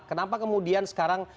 kenapa kemudian sekarang